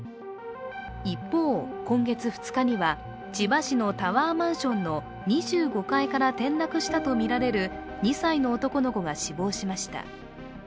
一方、今月２日には、千葉市のタワーマンションの２５階から転落したとみられる２歳の男の子が死亡しました。